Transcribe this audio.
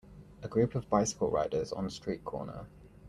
A group of bicycle riders on street corner.